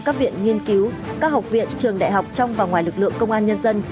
các viện nghiên cứu các học viện trường đại học trong và ngoài lực lượng công an nhân dân